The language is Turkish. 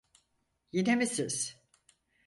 Yine mi siz?